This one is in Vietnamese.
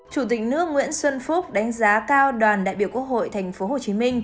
chủ tịch nước nguyễn xuân phúc đánh giá cao đoàn đại biểu quốc hội tp hcm